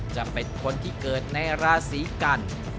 จะเป็นคนที่เกิดในราศีกัน